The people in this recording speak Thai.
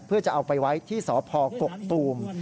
เพื่อจะเอาไปไว้ที่สพกกตูม